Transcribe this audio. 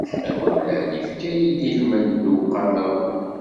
Ameɣlal ifka-yi-d ilmend n lewqama-w.